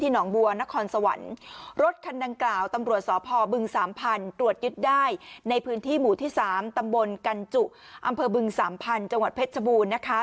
หนองบัวนครสวรรค์รถคันดังกล่าวตำรวจสพบึงสามพันธุ์ตรวจยึดได้ในพื้นที่หมู่ที่๓ตำบลกันจุอำเภอบึงสามพันธุ์จังหวัดเพชรชบูรณ์นะคะ